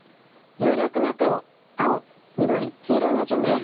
有力な手を青緑黄色の順で予想しています。